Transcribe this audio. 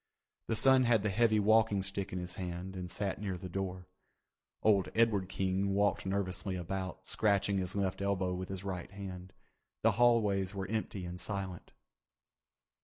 The son had the heavy walking stick in his hand and sat near the door. Old Edward King walked nervously about, scratching his left elbow with his right hand. The hallways were empty and silent.